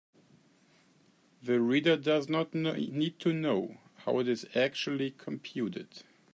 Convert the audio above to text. The reader does not need to know how it is actually computed.